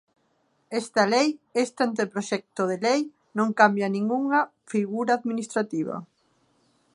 Esta lei, este anteproxecto de lei, non cambia ningunha figura administrativa.